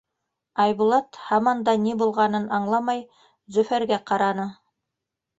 Айбулат, һаман да ни булғанын аңламай, Зөфәргә ҡараны.